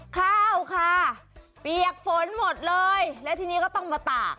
ข้าวค่ะเปียกฝนหมดเลยแล้วทีนี้ก็ต้องมาตาก